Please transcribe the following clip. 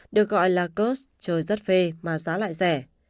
được gọi là kurs trời rất phê mà giá lại rẻ